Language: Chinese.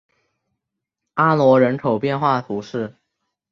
阿罗人口变化图示